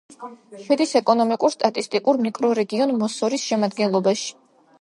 შედის ეკონომიკურ-სტატისტიკურ მიკრორეგიონ მოსოროს შემადგენლობაში.